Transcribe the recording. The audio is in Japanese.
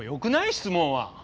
質問は。